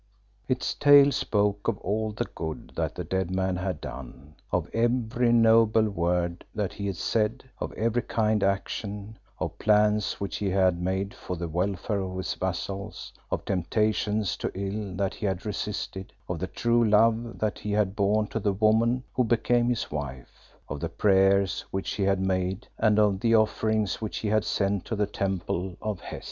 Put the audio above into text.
Its tale spoke of all the good that the dead man had done; of every noble word that he had said, of every kind action; of plans which he had made for the welfare of his vassals; of temptations to ill that he had resisted; of the true love that he had borne to the woman who became his wife; of the prayers which he had made and of the offerings which he had sent to the temple of Hes.